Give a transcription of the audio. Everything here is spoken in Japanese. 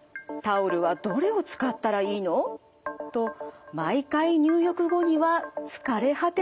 「タオルはどれを使ったらいいの？」と毎回入浴後には疲れ果てていたんです。